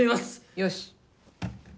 よし。